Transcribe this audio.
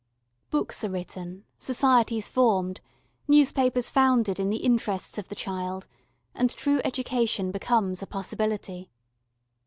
Books are written, societies formed, newspapers founded in the interests of the child, and true education becomes a possibility.